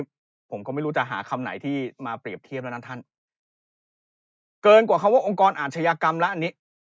ผมก็ไม่รู้จะหาคำไหนที่มาเปรียบเทียบแล้วนะท่านเกินกว่าคำว่าองค์กรอาชญากรรมแล้วอันนี้